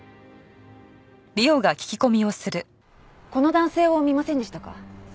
この男性を見ませんでしたか？